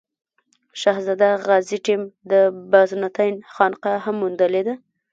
شهزاده غازي ټیم د بازنطین خانقا هم موندلې ده.